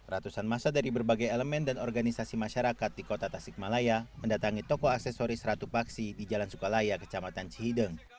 ratusan masa dari berbagai elemen dan organisasi masyarakat di kota tasikmalaya mendatangi toko aksesoris ratu paksi di jalan sukalaya kecamatan cihideng